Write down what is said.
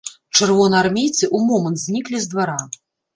Чырвонаармейцы ў момант зніклі з двара.